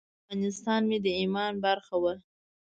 افغانستان مې د ایمان برخه وه.